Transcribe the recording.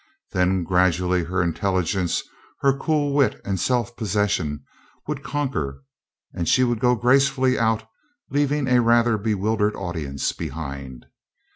Then gradually her intelligence, her cool wit and self possession, would conquer and she would go gracefully out leaving a rather bewildered audience behind.